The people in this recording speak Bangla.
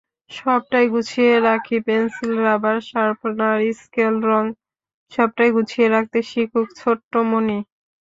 সবটাই গুছিয়ে রাখিপেনসিল, রাবার, শার্পনার, স্কেল, রং—সবটাই গুছিয়ে রাখতে শিখুক ছোট্ট মণি।